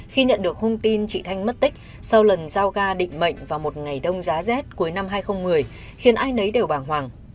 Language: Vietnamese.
khi nhận được hung tin chị thanh mất tích sau lần giao ga định mệnh vào một ngày đông giá rét cuối năm hai nghìn một mươi khiến ai nấy đều bàng hoàng